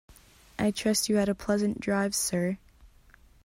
I trust you had a pleasant drive, sir.